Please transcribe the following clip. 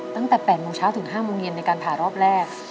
ตั้งแต่๘โมงเช้าถึง๕โมงเย็นในการผ่ารอบแรก